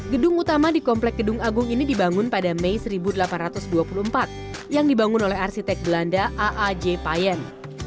gedung utama di komplek gedung agung ini dibangun pada mei seribu delapan ratus dua puluh empat yang dibangun oleh arsitek belanda aaj payen